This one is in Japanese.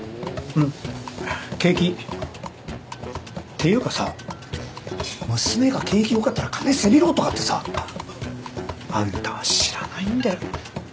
うん景気っていうかさ娘が景気よかったら金せびろうとかってさあんたは知らないんだよ